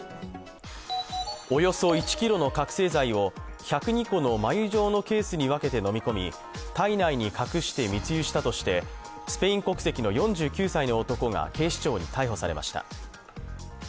およそ１ｋｇの覚醒剤を１０２個の繭状のケースに分けて飲み込み体内に隠して密輸したとして、スペイン国籍の４９歳の男が警視庁に逮捕されました。